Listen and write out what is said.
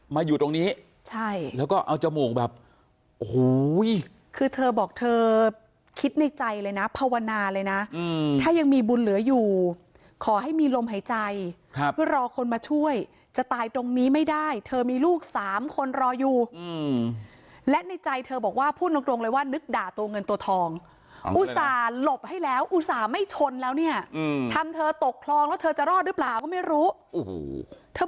มาอยู่ตรงนี้ใช่แล้วก็เอาจมูกแบบโอ้โหคือเธอบอกเธอคิดในใจเลยนะภาวนาเลยนะถ้ายังมีบุญเหลืออยู่ขอให้มีลมหายใจเพื่อรอคนมาช่วยจะตายตรงนี้ไม่ได้เธอมีลูกสามคนรออยู่และในใจเธอบอกว่าพูดตรงตรงเลยว่านึกด่าตัวเงินตัวทองอุตส่าห์หลบให้แล้วอุตส่าห์ไม่ชนแล้วเนี่ยทำเธอตกคลองแล้วเธอจะรอดหรือเปล่าก็ไม่รู้โอ้โหเธอ